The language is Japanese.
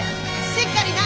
しっかりな！